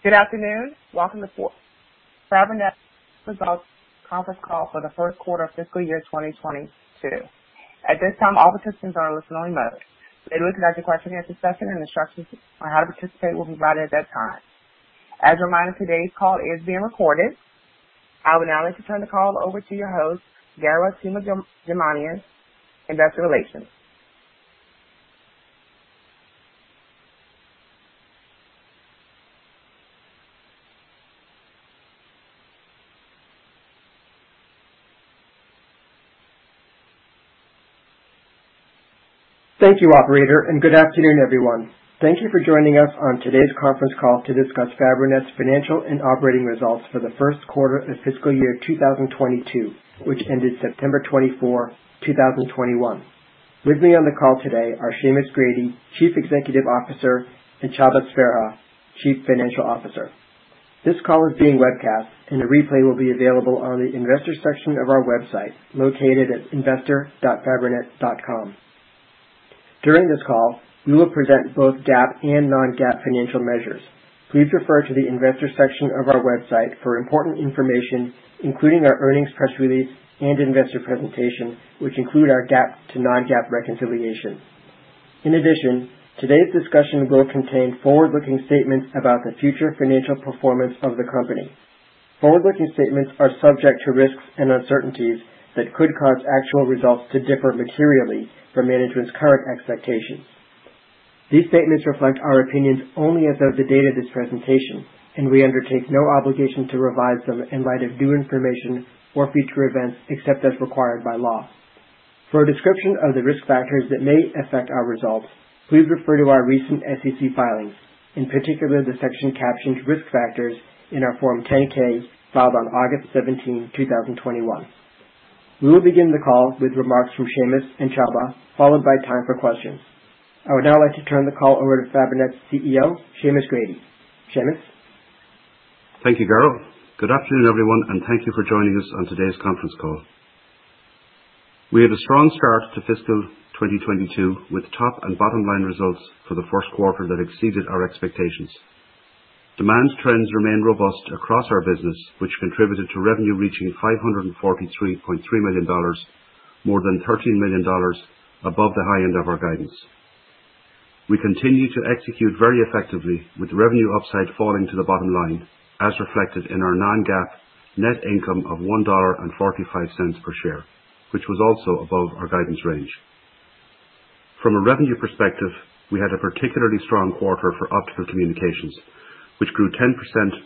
Good afternoon. Welcome to Fabrinet results conference call for the first quarter of fiscal year 2022. At this time, all participants are in listen-only mode. Later, we will open the call for questions, and instructions on how to participate will be provided at that time. As a reminder, today's call is being recorded. I would now like to turn the call over to your host, Garo Toomajanian, Investor Relations. Thank you, operator, and good afternoon, everyone. Thank you for joining us on today's conference call to discuss Fabrinet's financial and operating results for the first quarter of fiscal year 2022, which ended September 24, 2021. With me on the call today are Seamus Grady, Chief Executive Officer, and Csaba Sverha, Chief Financial Officer. This call is being webcast, and a replay will be available on the investor section of our website located at investor.fabrinet.com. During this call, we will present both GAAP and non-GAAP financial measures. Please refer to the investor section of our website for important information, including our earnings press release and investor presentation, which include our GAAP to non-GAAP reconciliation. In addition, today's discussion will contain forward-looking statements about the future financial performance of the company. Forward-looking statements are subject to risks and uncertainties that could cause actual results to differ materially from management's current expectations. These statements reflect our opinions only as of the date of this presentation, and we undertake no obligation to revise them in light of new information or future events, except as required by law. For a description of the risk factors that may affect our results, please refer to our recent SEC filings, in particular, the section captioned Risk Factors in our Form 10-K filed on August 17, 2021. We will begin the call with remarks from Seamus and Csaba, followed by time for questions. I would now like to turn the call over to Fabrinet's CEO, Seamus Grady. Seamus? Thank you, Garo. Good afternoon, everyone, and thank you for joining us on today's conference call. We had a strong start to fiscal 2022 with top and bottom line results for the first quarter that exceeded our expectations. Demand trends remain robust across our business, which contributed to revenue reaching $543.3 million, more than $13 million above the high end of our guidance. We continue to execute very effectively with revenue upside falling to the bottom line as reflected in our Non-GAAP net income of $1.45 per share, which was also above our guidance range. From a revenue perspective, we had a particularly strong quarter for optical communications, which grew 10%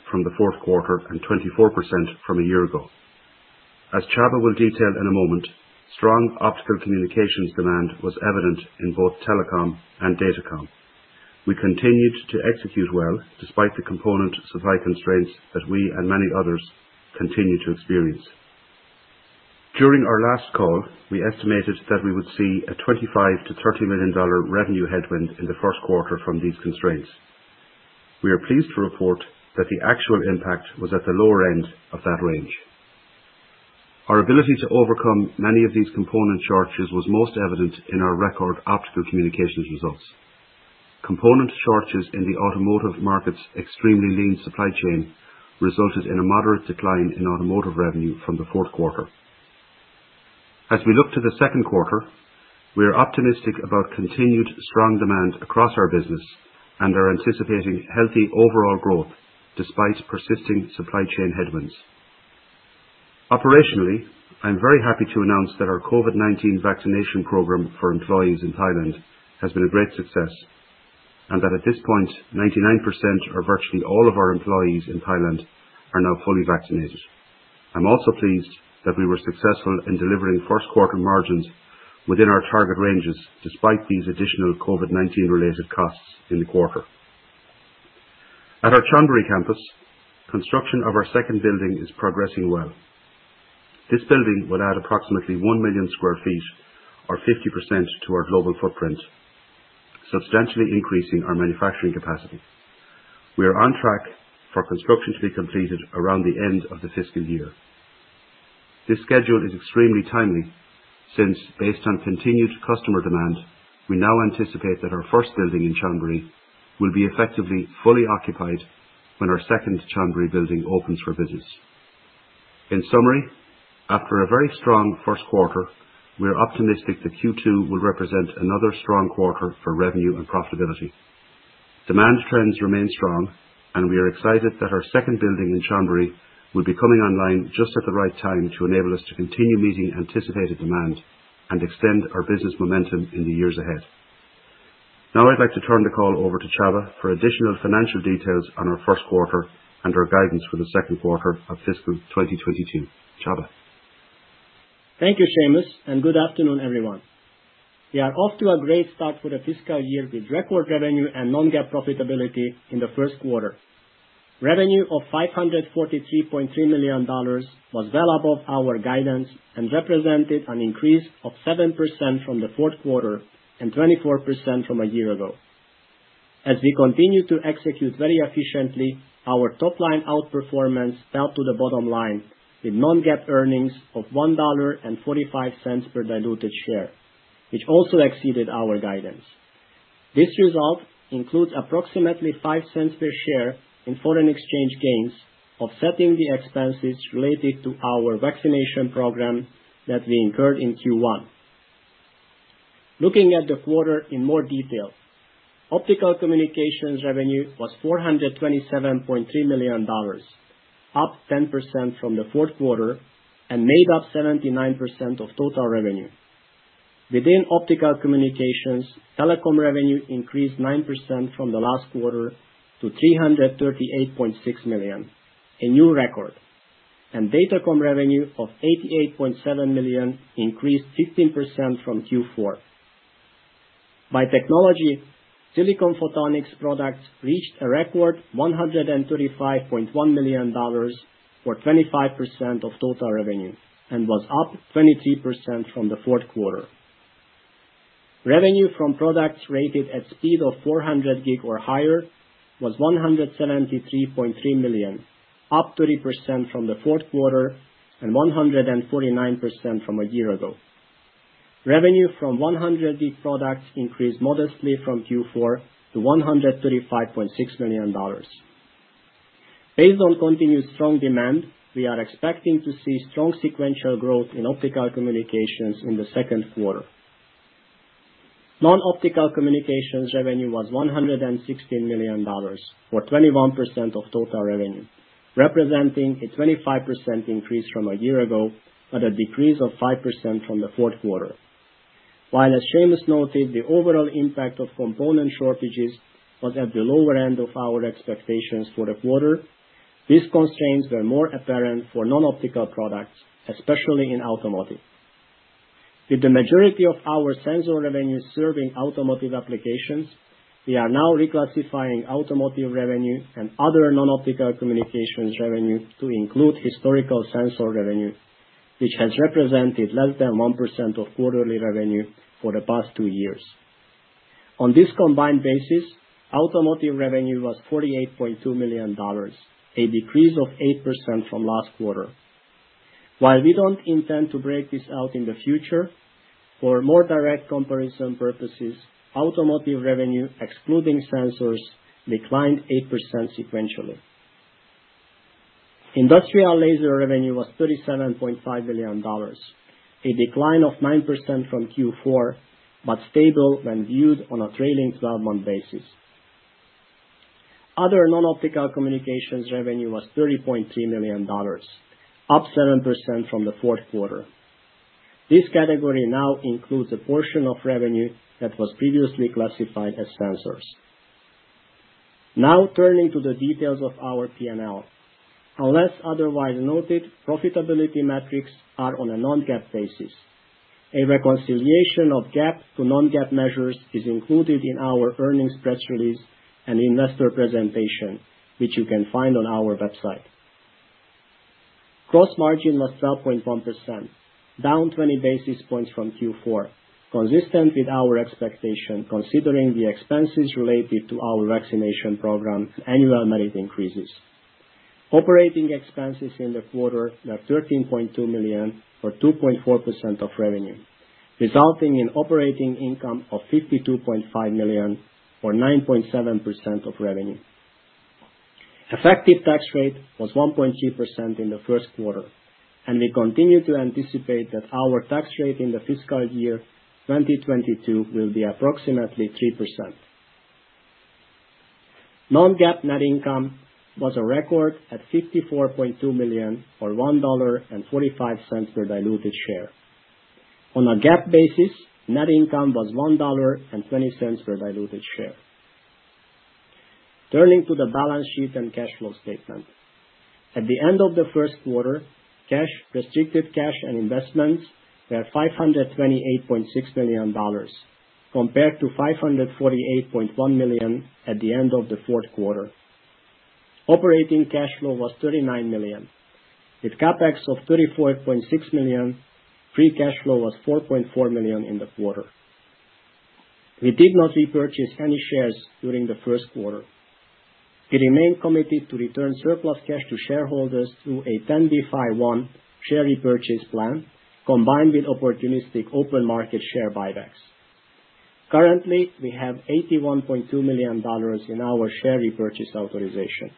from the fourth quarter and 24% from a year ago. As Csaba will detail in a moment, strong optical communications demand was evident in both telecom and datacom. We continued to execute well despite the component supply constraints that we and many others continue to experience. During our last call, we estimated that we would see a $25 million-$30 million revenue headwind in the first quarter from these constraints. We are pleased to report that the actual impact was at the lower end of that range. Our ability to overcome many of these component shortages was most evident in our record optical communications results. Component shortages in the automotive market's extremely lean supply chain resulted in a moderate decline in automotive revenue from the fourth quarter. As we look to the second quarter, we are optimistic about continued strong demand across our business and are anticipating healthy overall growth despite persisting supply chain headwinds. Operationally, I'm very happy to announce that our COVID-19 vaccination program for employees in Thailand has been a great success, and that at this point, 99% or virtually all of our employees in Thailand are now fully vaccinated. I'm also pleased that we were successful in delivering first quarter margins within our target ranges despite these additional COVID-19-related costs in the quarter. At our Chonburi campus, construction of our second building is progressing well. This building will add approximately 1 million sq ft or 50% to our global footprint, substantially increasing our manufacturing capacity. We are on track for construction to be completed around the end of the fiscal year. This schedule is extremely timely since, based on continued customer demand, we now anticipate that our first building in Chonburi will be effectively fully occupied when our second Chonburi building opens for business. In summary, after a very strong first quarter, we are optimistic that Q2 will represent another strong quarter for revenue and profitability. Demand trends remain strong, and we are excited that our second building in Chonburi will be coming online just at the right time to enable us to continue meeting anticipated demand and extend our business momentum in the years ahead. Now, I'd like to turn the call over to Csaba for additional financial details on our first quarter and our guidance for the second quarter of fiscal 2022. Csaba. Thank you, Seamus, and good afternoon, everyone. We are off to a great start for the fiscal year with record revenue and non-GAAP profitability in the first quarter. Revenue of $543.3 million was well above our guidance and represented an increase of 7% from the fourth quarter and 24% from a year ago. As we continue to execute very efficiently, our top line outperformance fell to the bottom line with non-GAAP earnings of $1.45 per diluted share, which also exceeded our guidance. This result includes approximately $0.05 per share in foreign exchange gains, offsetting the expenses related to our validation program that we incurred in Q1. Looking at the quarter in more detail, Optical Communications revenue was $427.3 million, up 10% from the fourth quarter, and made up 79% of total revenue. Within optical communications, telecom revenue increased 9% from the last quarter to $338.6 million, a new record. Datacom revenue of $88.7 million increased 15% from Q4. By technology, silicon photonics products reached a record $135.1 million, or 25% of total revenue, and was up 23% from the fourth quarter. Revenue from products rated at speed of 400G or higher was $173.3 million, up 30% from the fourth quarter and 149% from a year ago. Revenue from 100G products increased modestly from Q4 to $135.6 million. Based on continued strong demand, we are expecting to see strong sequential growth in optical communications in the second quarter. Non-Optical Communications revenue was $160 million, or 21% of total revenue, representing a 25% increase from a year ago, but a decrease of 5% from the fourth quarter. While, as Seamus noted, the overall impact of component shortages was at the lower end of our expectations for the quarter, these constraints were more apparent for non-optical products, especially in automotive. With the majority of our sensor revenue serving automotive applications, we are now reclassifying automotive revenue and other non-optical communications revenue to include historical sensor revenue, which has represented less than 1% of quarterly revenue for the past two years. On this combined basis, automotive revenue was $48.2 million, a decrease of 8% from last quarter. While we don't intend to break this out in the future, for more direct comparison purposes, Automotive revenue, excluding sensors, declined 8% sequentially. Industrial Laser revenue was $37.5 million, a decline of 9% from Q4, but stable when viewed on a trailing 12-month basis. Other Non-Optical Communications revenue was $30.3 million, up 7% from the fourth quarter. This category now includes a portion of revenue that was previously classified as sensors. Now turning to the details of our P&L. Unless otherwise noted, profitability metrics are on a non-GAAP basis. A reconciliation of GAAP to non-GAAP measures is included in our earnings press release and investor presentation, which you can find on our website. Gross margin was 12.1%, down 20 basis points from Q4, consistent with our expectation considering the expenses related to our compensation program's annual merit increases. Operating expenses in the quarter were $13.2 million, or 2.4% of revenue, resulting in operating income of $52.5 million or 9.7% of revenue. Effective tax rate was 1.2% in the first quarter, and we continue to anticipate that our tax rate in the fiscal year 2022 will be approximately 3%. Non-GAAP net income was a record at $54.2 million or $1.45 per diluted share. On a GAAP basis, net income was $1.20 per diluted share. Turning to the balance sheet and cash flow statement. At the end of the first quarter, cash, restricted cash and investments were $528.6 million, compared to $548.1 million at the end of the fourth quarter. Operating cash flow was $39 million. With CapEx of $34.6 million, free cash flow was $4.4 million in the quarter. We did not repurchase any shares during the first quarter. We remain committed to return surplus cash to shareholders through a 10b5-1 share repurchase plan, combined with opportunistic open market share buybacks. Currently, we have $81.2 million in our share repurchase authorization.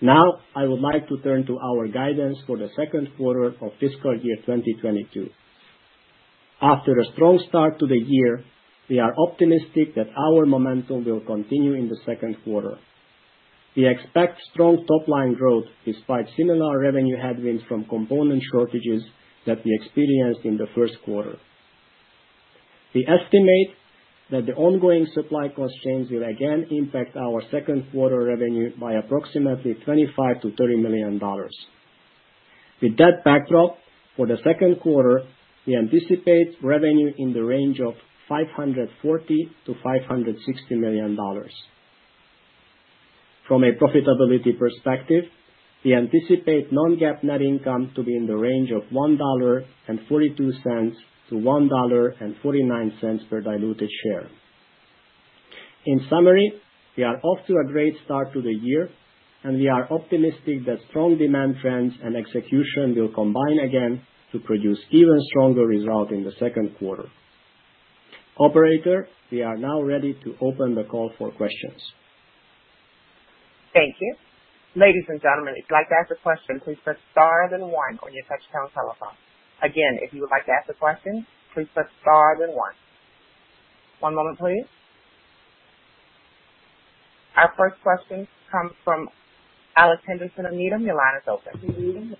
Now, I would like to turn to our guidance for the second quarter of fiscal year 2022. After a strong start to the year, we are optimistic that our momentum will continue in the second quarter. We expect strong top-line growth despite similar revenue headwinds from component shortages that we experienced in the first quarter. We estimate that the ongoing supply constraints will again impact our second-quarter revenue by approximately $25 million-$30 million. With that backdrop, for the second quarter, we anticipate revenue in the range of $540 million-$560 million. From a profitability perspective, we anticipate Non-GAAP net income to be in the range of $1.42-$1.49 per diluted share. In summary, we are off to a great start to the year and we are optimistic that strong demand trends and execution will combine again to produce even stronger result in the second quarter. Operator, we are now ready to open the call for questions. Thank you. Ladies and gentlemen, if you'd like to ask a question, please press star then one on your touchtone telephone. Again, if you would like to ask a question, please press star then one. One moment please. Our first question comes from Alex Henderson of Needham. Your line is open.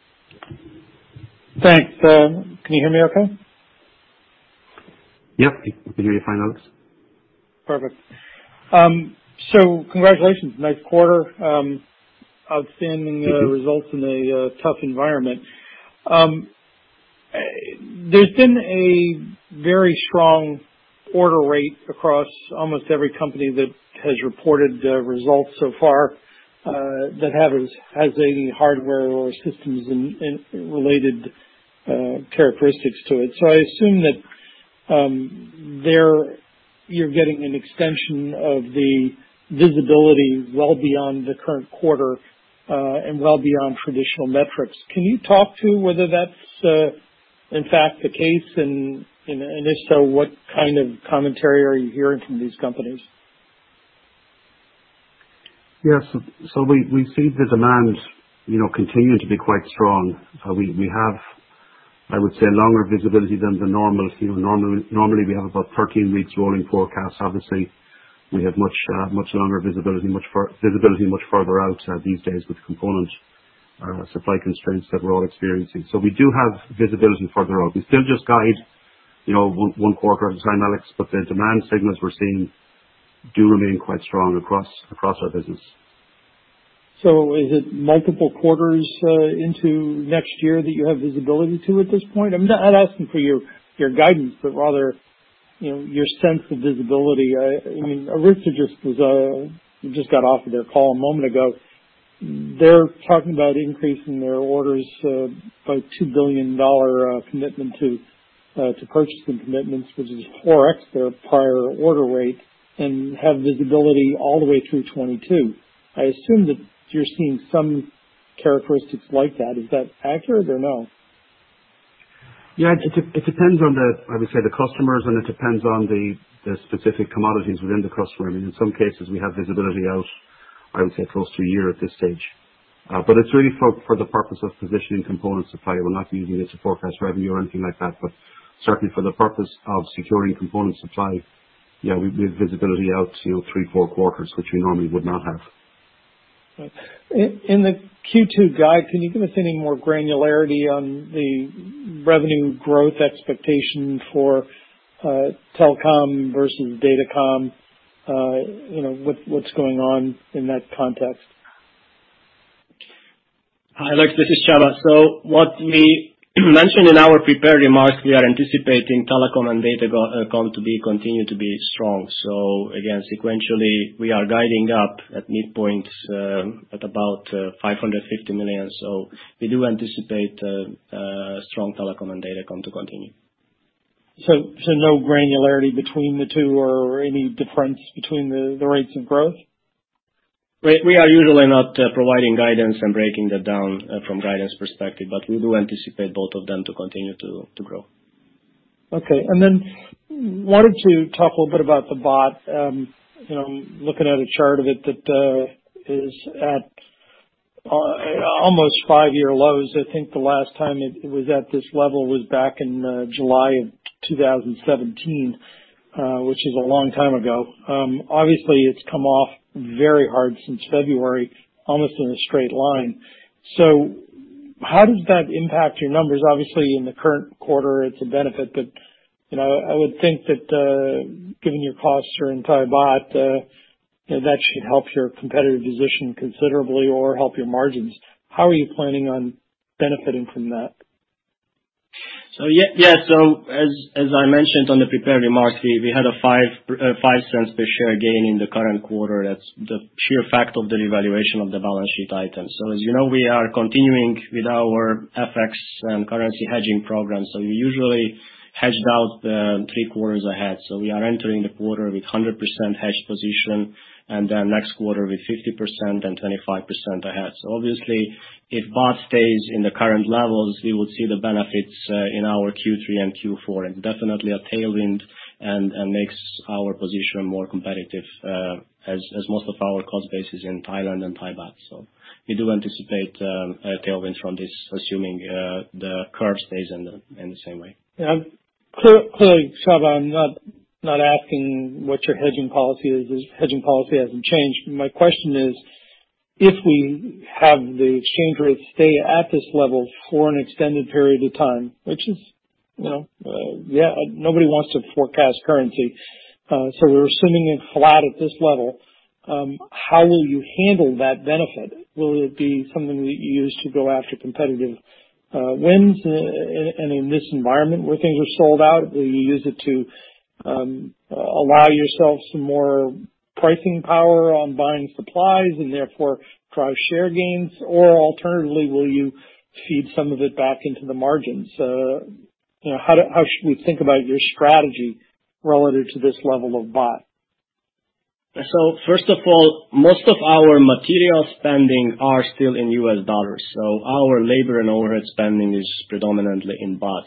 Thanks, can you hear me okay? Yep, we can hear you fine, Alex. Perfect. Congratulations. Nice quarter. Outstanding. Thank you. Results in a tough environment. There's been a very strong order rate across almost every company that has reported their results so far, that has a hardware or systems and related characteristics to it. I assume that they're getting an extension of the visibility well beyond the current quarter, and well beyond traditional metrics. Can you talk to whether that's in fact the case and, if so, what kind of commentary are you hearing from these companies? Yes. We see the demand, you know, continuing to be quite strong. We have, I would say, longer visibility than the normal. You know, normally we have about 13 weeks rolling forecast. Obviously, we have much longer visibility, much further out these days with component supply constraints that we're all experiencing. We do have visibility further out. We still just guide, you know, one quarter at a time, but the demand signals we're seeing do remain quite strong across our business. Is it multiple quarters into next year that you have visibility to at this point? I'm not asking for your guidance, but rather, you know, your sense of visibility. I mean, Arista just got off of their call a moment ago. They're talking about increasing their orders by $2 billion commitment to purchasing commitments, which is 4x their prior order rate, and have visibility all the way through 2022. I assume that you're seeing some characteristics like that. Is that accurate or no? Yeah. It depends on the customers and the specific commodities within the customer. I mean, in some cases we have visibility out, I would say, close to a year at this stage. It's really for the purpose of positioning component supply. We're not using it to forecast revenue or anything like that. Certainly for the purpose of securing component supply, yeah, we have visibility out to 3-4 quarters, which we normally would not have. In the Q2 guide, can you give us any more granularity on the revenue growth expectation for telecom versus datacom? You know, what's going on in that context? Hi, Alex, this is Csaba. What we mentioned in our prepared remarks, we are anticipating telecom and datacom to continue to be strong. Again, sequentially, we are guiding up at midpoint, at about $550 million. We do anticipate strong telecom and datacom to continue. No granularity between the two or any difference between the rates of growth? We are usually not providing guidance and breaking that down from guidance perspective, but we do anticipate both of them to continue to grow. Okay. Wanted to talk a little bit about the baht. You know, looking at a chart of it that is at almost five-year lows. I think the last time it was at this level was back in July 2017, which is a long time ago. Obviously, it's come off very hard since February, almost in a straight line. How does that impact your numbers? Obviously in the current quarter, it's a benefit, but you know, I would think that given your costs are in Thai baht, you know, that should help your competitive position considerably or help your margins. How are you planning on benefiting from that? Yeah. As I mentioned in the prepared remarks, we had a $0.05 per share gain in the current quarter. That's the sheer fact of the devaluation of the balance sheet items. As you know, we are continuing with our FX and currency hedging program. We usually hedged out three quarters ahead. We are entering the quarter with 100% hedged position, and then next quarter with 50% and 25% ahead. Obviously if baht stays in the current levels, we will see the benefits in our Q3 and Q4, and definitely a tailwind and makes our position more competitive, as most of our cost base is in Thailand and Thai baht. We do anticipate a tailwind from this, assuming the curve stays in the same way. Yeah. Clearly, Csaba, I'm not asking what your hedging policy is. Your hedging policy hasn't changed. My question is, if we have the exchange rate stay at this level for an extended period of time, which is, you know, yeah, nobody wants to forecast currency, so we're assuming it's flat at this level, how will you handle that benefit? Will it be something that you use to go after competitive wins, and in this environment where things are sold out? Will you use it to allow yourself some more pricing power on buying supplies and therefore drive share gains? Or alternatively, will you feed some of it back into the margins? You know, how should we think about your strategy relative to this level of baht? First of all, most of our material spending are still in U.S. dollars. Our labor and overhead spending is predominantly in baht.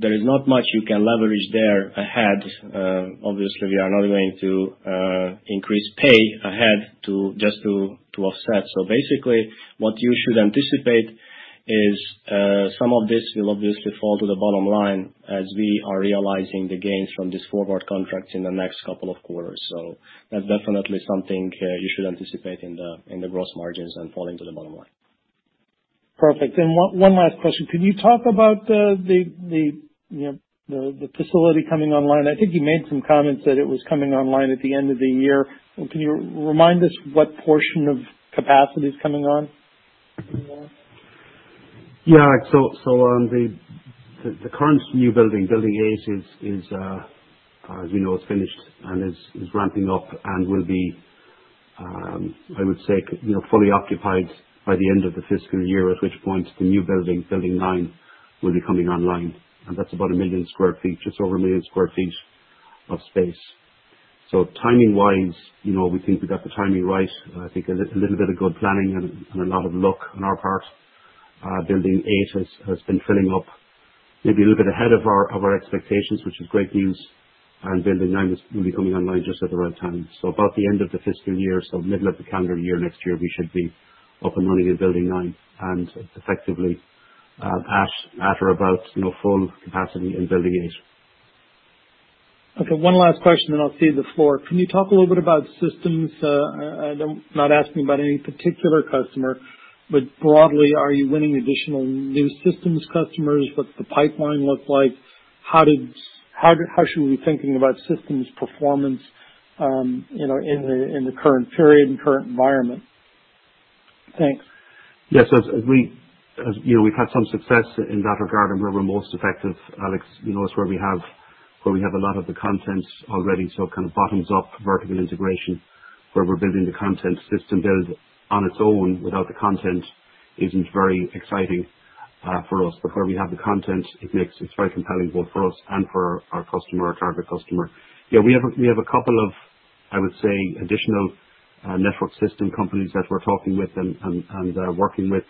There is not much you can leverage there ahead. Obviously we are not going to increase pay ahead just to offset. Basically what you should anticipate is some of this will obviously fall to the bottom line as we are realizing the gains from these forward contracts in the next couple of quarters. That's definitely something you should anticipate in the gross margins and falling to the bottom line. Perfect. One last question. Can you talk about the facility coming online? I think you made some comments that it was coming online at the end of the year. Can you remind us what portion of capacity is coming on? Yeah, on the current new building, Building 8 is, as we know, finished and is ramping up and will be, I would say, you know, fully occupied by the end of the fiscal year, at which point the new building, Building 9, will be coming online. That's about 1 million sq ft, just over 1 million sq ft of space. Timing wise, you know, we think we got the timing right. I think a little bit of good planning and a lot of luck on our part. Building 8 has been filling up maybe a little bit ahead of our expectations, which is great news. Building 9 is really coming online just at the right time. About the end of the fiscal year, so middle of the calendar year next year, we should be up and running in building 9 and effectively at or about, you know, full capacity in building 8. Okay, one last question then I'll cede the floor. Can you talk a little bit about systems? I'm not asking about any particular customer, but broadly, are you winning additional new systems customers? What's the pipeline look like? How should we be thinking about systems performance, you know, in the current period and current environment? Thanks. Yes. As you know, we've had some success in that regard and where we're most effective, Alex, you know, it's where we have a lot of the content already, so it kind of bottoms up vertical integration where we're building the content system build on its own without the content isn't very exciting, for us, but where we have the content, it makes it very compelling both for us and for our customer, our target customer. Yeah, we have a couple of, I would say additional, network system companies that we're talking with and working with,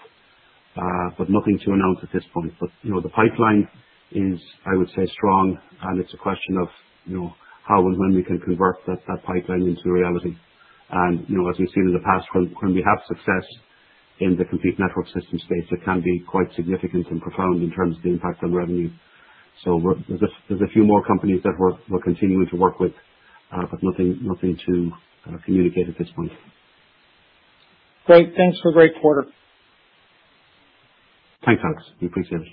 but nothing to announce at this point. You know, the pipeline is, I would say, strong and it's a question of, you know, how and when we can convert that pipeline into reality. You know, as we've seen in the past, when we have success in the complete network system space, it can be quite significant and profound in terms of the impact on revenue. There's a few more companies that we're continuing to work with, but nothing to communicate at this point. Great. Thanks for a great quarter. Thanks, Alex. We appreciate it.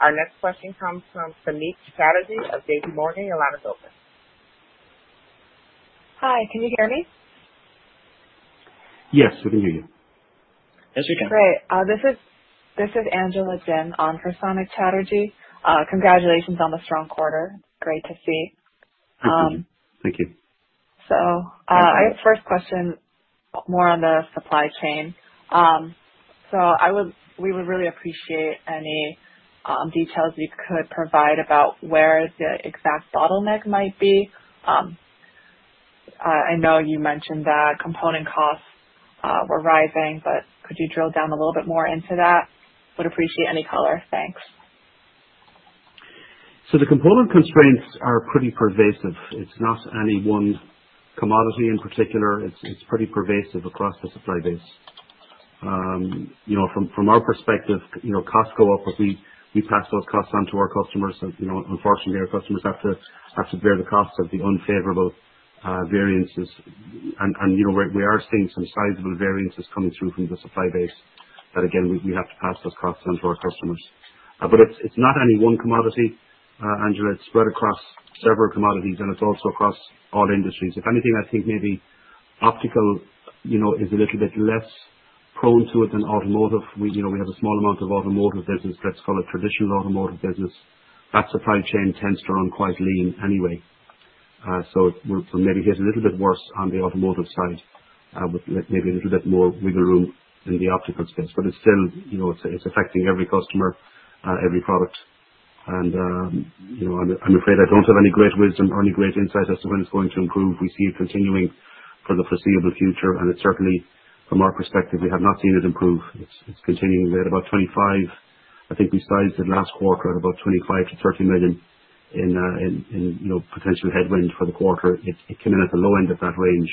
Our next question comes from Samik Chatterjee of JPMorgan. Your line is open. Hi, can you hear me? Yes, we can hear you. Yes, we can. Great. This is Angela Jin on for Samik Chatterjee. Congratulations on the strong quarter. Great to see. Thank you. I have first question more on the supply chain. We would really appreciate any details you could provide about where the exact bottleneck might be. I know you mentioned that component costs were rising, but could you drill down a little bit more into that? Would appreciate any color. Thanks. The component constraints are pretty pervasive. It's not any one commodity in particular. It's pretty pervasive across the supply base. You know, from our perspective, you know, costs go up, but we pass those costs on to our customers and, you know, unfortunately our customers have to bear the costs of the unfavorable variances. You know, we are seeing some sizable variances coming through from the supply base that again, we have to pass those costs on to our customers. But it's not any one commodity, Angela, it's spread across several commodities and it's also across all industries. If anything, I think maybe optical, you know, is a little bit less prone to it than automotive. You know, we have a small amount of automotive business, let's call it traditional automotive business. That supply chain tends to run quite lean anyway. It will maybe get a little bit worse on the automotive side, with maybe a little bit more wiggle room in the optical space. It's still, you know, it's affecting every customer, every product. You know, I'm afraid I don't have any great wisdom or any great insight as to when it's going to improve. We see it continuing for the foreseeable future, and it's certainly from our perspective, we have not seen it improve. It's continuing there at about 25. I think we sized it last quarter at about $25 million-$30 million in potential headwind for the quarter. It came in at the low end of that range.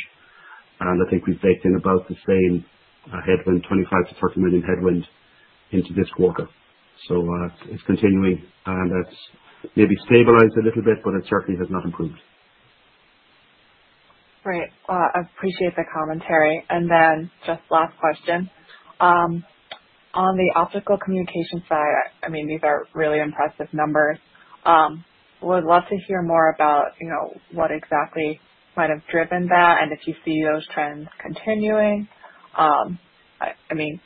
I think we've baked in about the same headwind, $25 million-$30 million headwind into this quarter. It's continuing and it's maybe stabilized a little bit, but it certainly has not improved. Great. Well, I appreciate the commentary. Just last question. On the optical communication side, I mean, these are really impressive numbers. Would love to hear more about, you know, what exactly might have driven that and if you see those trends continuing. I mean,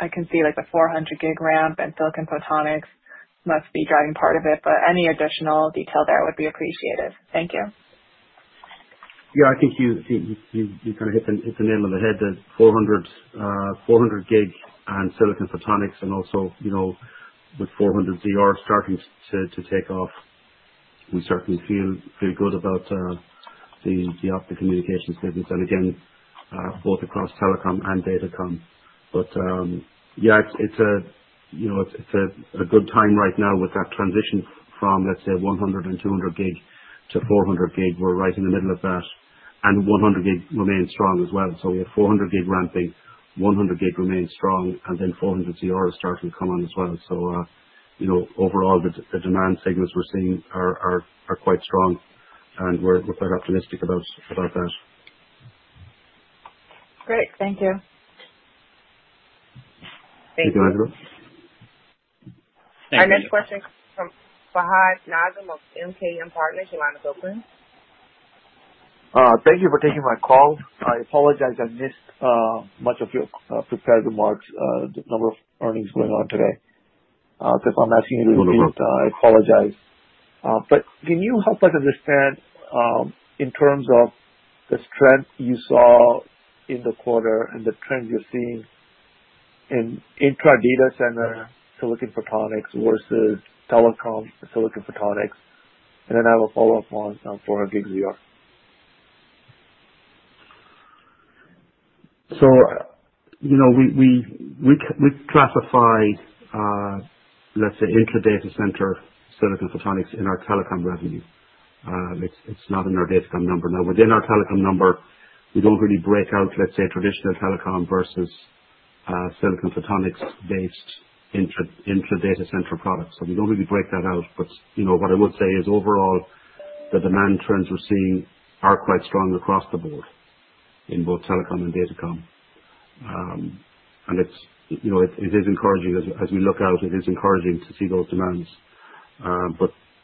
I can see like the 400G ZR and silicon photonics. Must be driving part of it, but any additional detail there would be appreciated. Thank you. Yeah, I think you kind of hit the nail on the head. The 400G and silicon photonics and also, you know, with 400 ZR starting to take off, we certainly feel good about the optical communications business, and again, both across telecom and datacom. Yeah, it's a good time right now with that transition from, let's say 100G and 200G to 400G. We're right in the middle of that. One hundred gig remains strong as well. We have 400G ramping, one hundred gig remains strong, and then 400 ZR is starting to come on as well. You know, overall the demand signals we're seeing are quite strong, and we're quite optimistic about that. Great. Thank you. Thank you, Angela. Our next question comes from Fahad Najam of MKM Partners. Your line is open. Thank you for taking my call. I apologize I missed much of your prepared remarks, the number of earnings going on today. If I'm asking you to repeat- No problem. I apologize. Can you help us understand, in terms of the strength you saw in the quarter and the trends you're seeing in intra data center silicon photonics versus telecom silicon photonics? Then I have a follow-up on 400G ZR. You know, we classify, let's say, intra data center silicon photonics in our telecom revenue. It's not in our Datacom number. Now, within our telecom number, we don't really break out, let's say, traditional telecom versus silicon photonics-based intra data center products. We don't really break that out. You know, what I would say is overall the demand trends we're seeing are quite strong across the board in both telecom and Datacom. It's, you know, it is encouraging as we look out. It is encouraging to see those demands.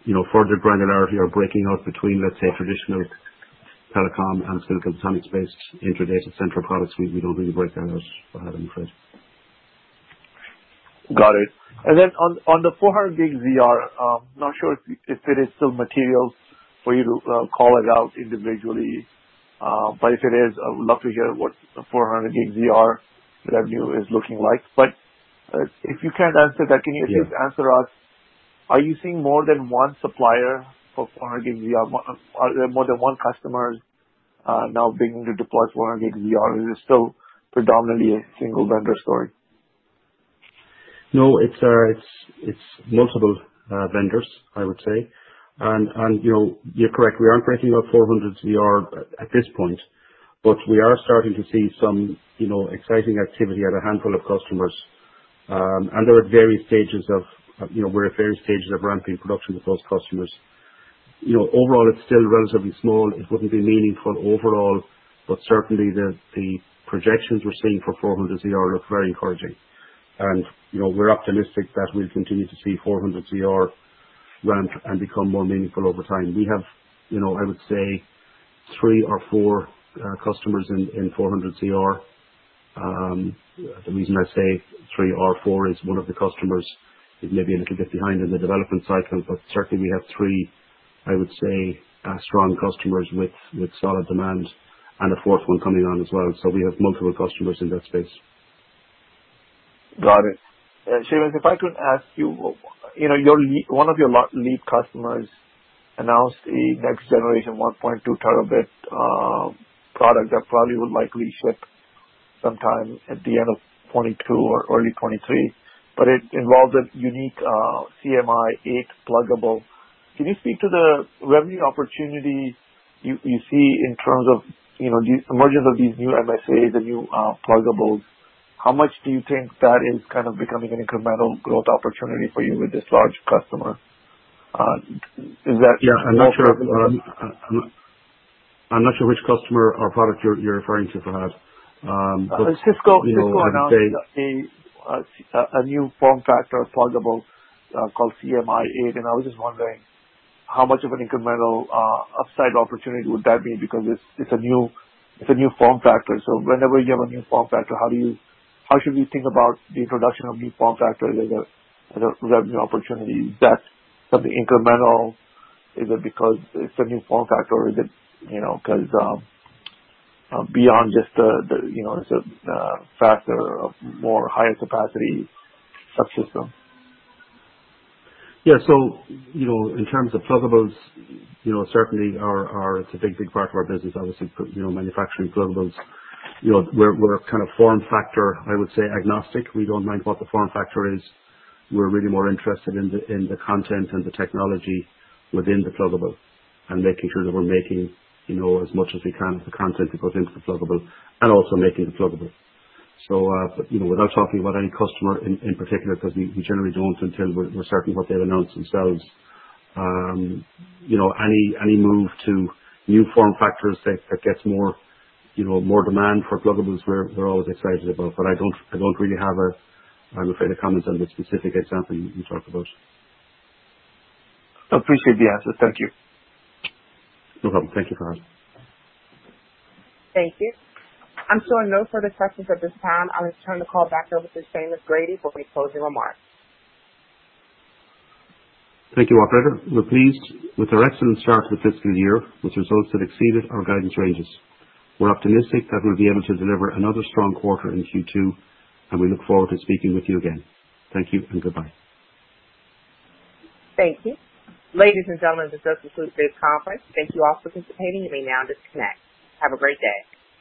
You know, for the granularity or breaking out between, let's say, traditional telecom and silicon photonics-based intra data center products, we don't really break that out, Fahad. I'm afraid. Got it. On the 400G ZR, not sure if it is still material for you to call it out individually, but if it is, I would love to hear what the 400G ZR revenue is looking like. If you can't answer that. Yeah. Can you at least answer us? Are you seeing more than one supplier of 400G ZR? Are there more than one customers now beginning to deploy 400G ZR or is it still predominantly a single vendor story? No. It's multiple vendors, I would say. You know, you're correct, we aren't breaking out 400 ZR at this point, but we are starting to see some exciting activity at a handful of customers. You know, we're at various stages of ramping production with those customers. You know, overall it's still relatively small. It wouldn't be meaningful overall, but certainly the projections we're seeing for 400 ZR look very encouraging. You know, we're optimistic that we'll continue to see 400 ZR ramp and become more meaningful over time. We have, you know, I would say three or four customers in 400 ZR. The reason I say three or four is one of the customers is maybe a little bit behind in the development cycle, but certainly we have three, I would say, strong customers with solid demand and a fourth one coming on as well. We have multiple customers in that space. Got it. Seamus, if I could ask you know, one of your lead customers announced a next generation 1.2 terabit product that probably would likely ship sometime at the end of 2022 or early 2023, but it involved a unique CMIS pluggable. Can you speak to the revenue opportunity you see in terms of, you know, the emergence of these new MSA, the new pluggables? How much do you think that is kind of becoming an incremental growth opportunity for you with this large customer? Is that- Yeah, I'm not sure which customer or product you're referring to, Fahad, but Cisco- You know, I would say. Cisco announced a new form factor pluggable called CMIS, and I was just wondering how much of an incremental upside opportunity would that be? Because it's a new form factor. Whenever you have a new form factor, how should we think about the introduction of new form factor as a revenue opportunity? Is that something incremental? Is it because it's a new form factor or is it, you know, 'cause beyond just the you know, is it a factor of more higher capacity subsystem? Yeah. You know, in terms of pluggables, you know, certainly it's a big part of our business, obviously, you know, manufacturing pluggables. You know, we're kind of form factor, I would say, agnostic. We don't mind what the form factor is. We're really more interested in the content and the technology within the pluggable and making sure that we're making, you know, as much as we can of the content that goes into the pluggable and also making the pluggable. You know, without talking about any customer in particular, because we generally don't until we're certain what they've announced themselves, you know, any move to new form factors that gets more, you know, more demand for pluggables, we're always excited about, but I don't really have, I'm afraid, a comment on the specific example you talked about. I appreciate the answer. Thank you. No problem. Thank you, Fahad. Thank you. I'm showing no further questions at this time. I'll just turn the call back over to Seamus Grady for any closing remarks. Thank you, operator. We're pleased with our excellent start to the fiscal year, with results that exceeded our guidance ranges. We're optimistic that we'll be able to deliver another strong quarter in Q2, and we look forward to speaking with you again. Thank you and goodbye. Thank you. Ladies and gentlemen, this does conclude today's conference. Thank you all for participating. You may now disconnect. Have a great day.